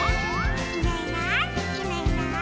「いないいないいないいない」